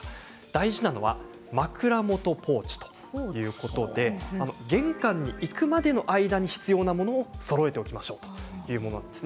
大事なのは枕元ポーチということで玄関に行くまでの間に必要なものをそろえておきましょうというものです。